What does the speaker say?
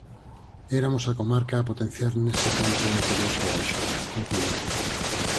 "Eramos a comarca a potenciar nese campo e tirouse abaixo", concluíron.